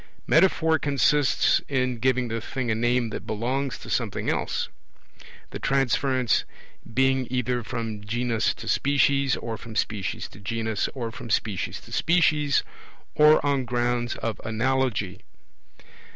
Metaphor consists in giving the thing a name that belongs to something else; the transference being either from genus to species, or from species to genus, or from species to species, or on grounds of analogy.